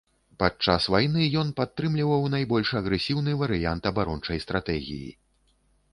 Падчас вайны ён падтрымліваў найбольш агрэсіўны варыянт абарончай стратэгіі.